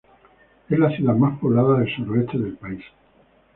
Es la ciudad más poblada del suroeste del país.